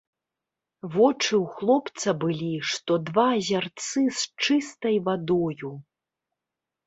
Вочы ў хлопца былі, што два азярцы з чыстай вадою.